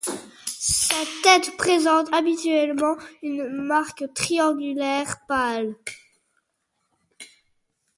Sa tête présente habituellement une marque triangulaire pâle.